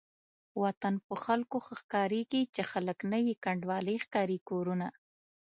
وطن په خلکو ښه ښکاريږي چې خلک نه وي کنډوالې ښکاري کورونه